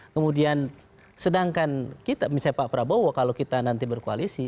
kemudian sedangkan kita misalnya pak prabowo kalau kita nanti berkoalisi